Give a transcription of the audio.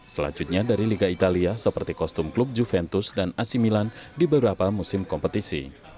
selanjutnya dari liga italia seperti kostum klub juventus dan ac milan di beberapa musim kompetisi